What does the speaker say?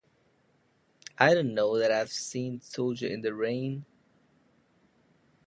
I don't know that I've ever seen "Soldier in the Rain".